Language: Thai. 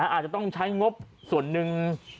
อาจจะต้องใช้งบส่วนหนึ่ง